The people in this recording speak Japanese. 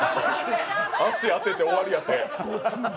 足当てて終わりやて。